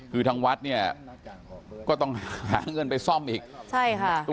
คือทั้งวัดเนี่ยก็ต้องหาเงินไปซ่อมอย่างอีก